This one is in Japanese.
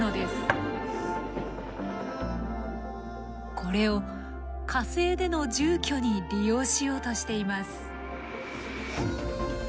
これを火星での住居に利用しようとしています。